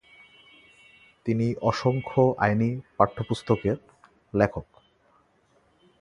তিনি অসংখ্য আইনি পাঠ্যপুস্তকের লেখক।